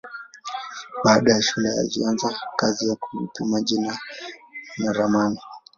Baada ya shule alianza kazi ya upimaji na ramani.